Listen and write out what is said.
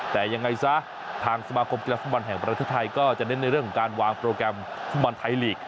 แต่ยังไงซะทางสมาคมกีฬาฟุตบอลแห่งประเทศไทยก็จะเน้นในเรื่องของการวางโปรแกรมฟุตบอลไทยลีก